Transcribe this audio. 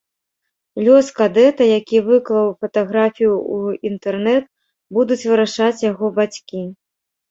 Лёс кадэта, які выклаў фатаграфію ў інтэрнэт, будуць вырашаць яго бацькі.